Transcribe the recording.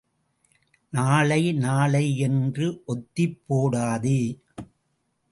நாளை நாளை என்று ஒத்திப் போடாதே!